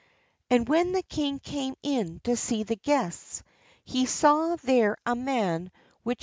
And when the king came in to see the guests, he saw there a man which